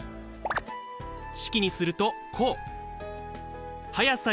式にするとこう。